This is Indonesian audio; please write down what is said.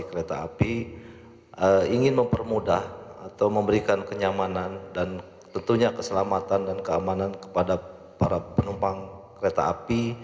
kereta api ingin mempermudah atau memberikan kenyamanan dan tentunya keselamatan dan keamanan kepada para penumpang kereta api